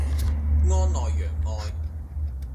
安內攘外